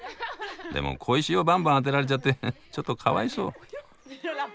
でも小石をばんばん当てられちゃってちょっとかわいそう。